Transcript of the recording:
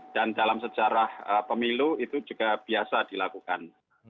dan dalam sejarah pemilu itu juga biasa dilakukan